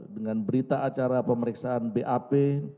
dengan berita acara pemeriksaan bap